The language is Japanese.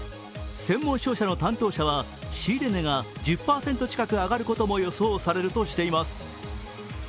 専門商社の担当者は仕入れ値が１０％近く上がることも予想されるとしています。